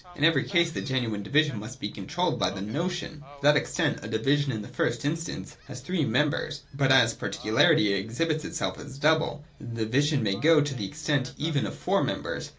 In every case the genuine division must be controlled by the notion. To that extent a division, in the first instance, has three members : but as particularity exhibits itself as double, the division may go to the extent even of four members.